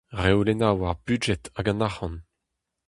Reolennoù ar budjed hag an arc'hant.